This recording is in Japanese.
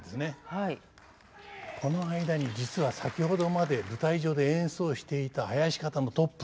この間に実は先ほどまで舞台上で演奏していた囃子方のトップ